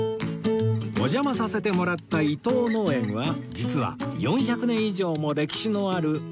お邪魔させてもらった伊藤農園は実は４００年以上も歴史のある農園です